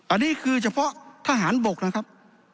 อันนี้คือเฉพาะทหารบกนะครับ